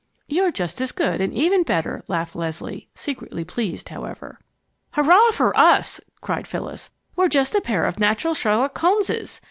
"You're just as good and even better!" laughed Leslie, secretly pleased, however. "Hurrah for us!" cried Phyllis. "We're just a pair of natural Sherlock Holmeses!